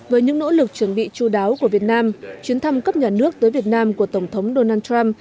với những nỗ lực chuẩn bị chú đáo của việt nam chuyến thăm cấp nhà nước tới việt nam của tổng thống donald trump